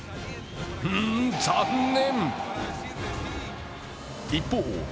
うーん残念。